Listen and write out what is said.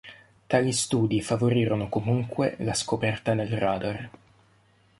Tali studi favorirono comunque la scoperta del radar.